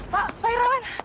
pak pak irwan